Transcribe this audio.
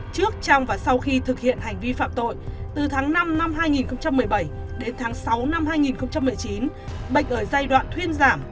trước trong và sau khi thực hiện hành vi phạm tội từ tháng năm năm hai nghìn một mươi bảy đến tháng sáu năm hai nghìn một mươi chín bệnh ở giai đoạn thuyên giảm